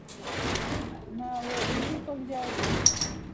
Ntawe uzi uko byagenze.